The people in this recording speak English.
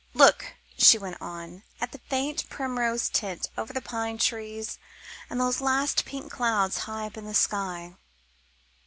"Look," she went on, "at the faint primrose tint over the pine trees and those last pink clouds high up in the sky."